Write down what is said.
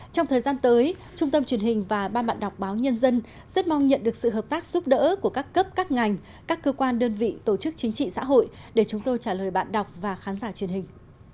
trong thời gian tới trung tâm truyền hình và ban bạn đọc báo nhân dân rất mong nhận được sự hợp tác giúp đỡ của các cấp các ngành các cơ quan đơn vị tổ chức chính trị xã hội để chúng tôi trả lời bạn đọc và khán giả truyền hình